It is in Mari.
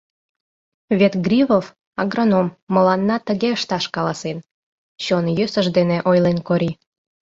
Вет Гривов, агроном, мыланна тыге ышташ каласен! — чон йӧсыж дене ойлен Кори.